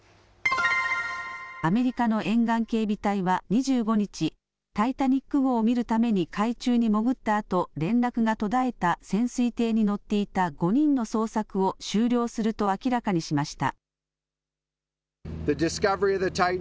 アメリカの沿岸警備隊は２５日、タイタニック号を見るために海中に潜ったあと連絡が途絶えた潜水艇に乗っていた５人の捜索を終了すると明らかにしました。